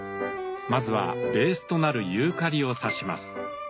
まずはベースとなるユーカリを挿します。